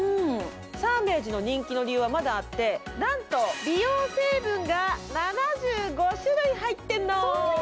サーメージの人気の理由はまだあってなんと美容成分が７５種類入ってんの。